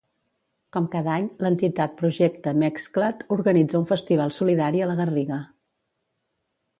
Com cada any, l'entitat Projecte Mexcla't organitza un festival solidari a la Garriga.